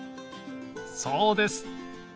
そうです。